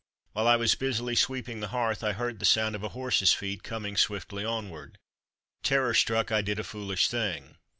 While I was busily sweeping the hearth, I heard the sound of a horse's feet coming swiftly onward. Terror struck, I did a foolish thing.